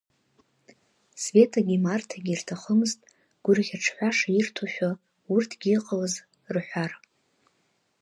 Светагьы Марҭагьы ирҭахымызт гәырӷьаҿҳәаша ирҭошәа, урҭгьы иҟалаз рҳәар.